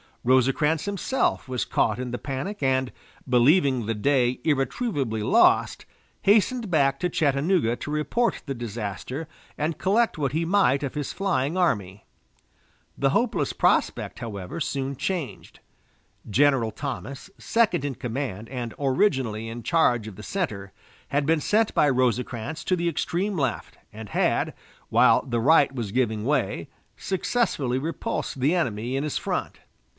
Rosecrans himself was caught in the panic, and, believing the day irretrievably lost, hastened back to Chattanooga to report the disaster and collect what he might of his flying army. The hopeless prospect, however, soon changed. General Thomas, second in command, and originally in charge of the center, had been sent by Rosecrans to the extreme left, and had, while the right was giving way, successfully repulsed the enemy in his front.